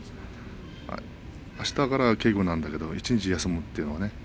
あしたから稽古なんだけど一日休むということを。